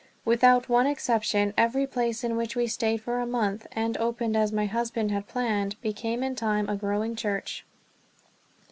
Without one exception, every place in which we stayed for a month, and opened as my husband had planned, became in time a growing church.